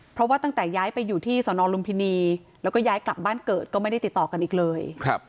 เพราะว่าตั้งแต่ย้ายไปอยู่ที่สนลุมพินีแล้วก็ย้ายกลับบ้านเกิดก็ไม่ได้ติดต่อกันอีกเลย